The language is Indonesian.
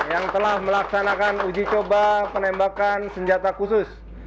yang telah melaksanakan uji coba penembakan senjata khusus